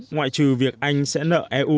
ngoại trừ việc anh sẽ nợ eu